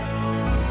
tak ada panco